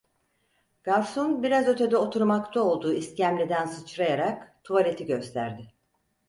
Garson biraz ötede oturmakta olduğu iskemleden sıçrayarak tuvaleti gösterdi.